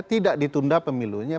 tidak ditunda pemilunya